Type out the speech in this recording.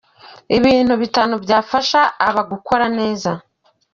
Ibintu bitanu byafasha aba gukora neza